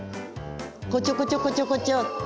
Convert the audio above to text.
こちょこちょこちょこちょ。